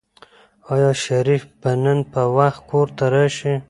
آیا شریف به نن په وخت کور ته راشي؟